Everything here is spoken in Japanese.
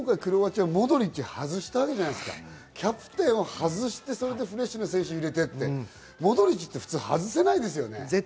今回、クロアチアはモドリッチを外したわけじゃないですか、キャプテンを外してフレッシュな選手を入れて、普通、外せないですよね。